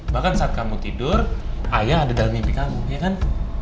bahkan saat kamu tidur ayah ada dalam mimpi kamu ya kan